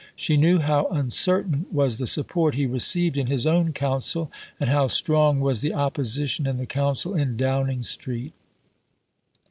She knew how uncertain was the support he received in his own Council, and how strong was the opposition in the Council in Downing Street.